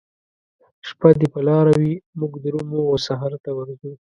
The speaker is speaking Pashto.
شپه دي په لاره وي موږ درومو وسحرته ورځو